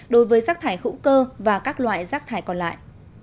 đối với rác thải hữu cơ và các loại rác thải còn lại